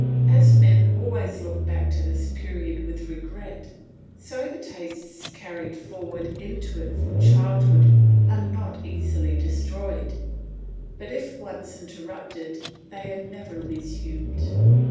As men always look back to this period with regret so the tastes carried forward into it from childhood are not easily destroyed; but if once interrupted they are never resumed.